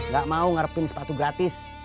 gak mau ngerpin sepatu gratis